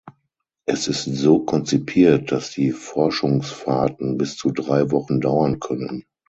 Es ist so konzipiert, dass die Forschungsfahrten bis zu drei Wochen dauern können.